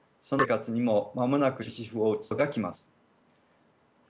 その生活にも間もなく終止符を打つ時が来ます。